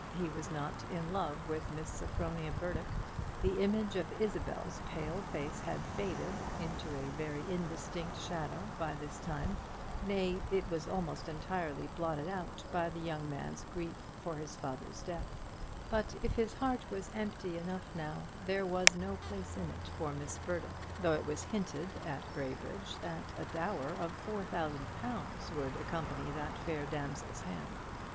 He was not in love with Miss Sophronia Burdock. The image of Isabel's pale face had faded into a very indistinct shadow by this time; nay, it was almost entirely blotted out by the young man's grief for his father's death; but if his heart was empty enough now, there was no place in it for Miss Burdock, though it was hinted at in Graybridge that a dower of four thousand pounds would accompany that fair damsel's hand.